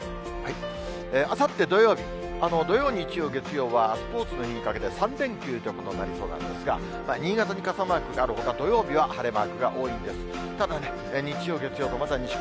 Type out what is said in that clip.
あさって土曜日、土曜、日曜、月曜はスポーツの日にかけて３連休ということになりそうなんですが、新潟に傘マークがあるほか、土曜日は晴れマークが多いんです。